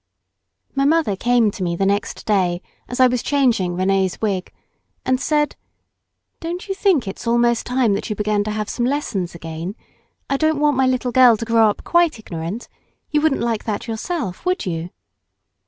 My mother came to me the next day as I was changing Rénee's wig, and said, "Don't you think it's almost time that you began to have some lessons again; I don't want my little girl to grow up quite ignorant, you wouldn't like that yourself, would you?"